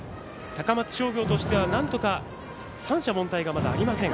高松商業としてはなんとか三者凡退がありません